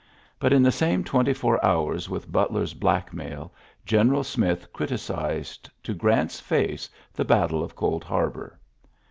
But in the same twenty four hours with Butler's blackmail, General Smith criti cised to Grant's face the battle of Cold Harbor.